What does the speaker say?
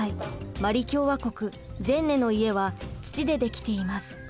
マリ共和国ジェンネの家は土で出来ています。